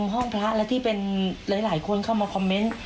ห้องพระและที่เป็นหลายคนเข้ามาคอมเมนต์